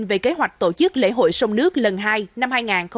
về kế hoạch tổ chức lễ hội sông nước lần hai năm hai nghìn hai mươi